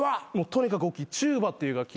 とにかくおっきいチューバっていう楽器。